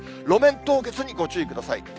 路面凍結にご注意ください。